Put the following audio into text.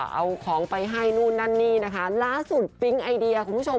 เอาของไปให้นู่นนั่นนี่นะคะล่าสุดปิ๊งไอเดียคุณผู้ชม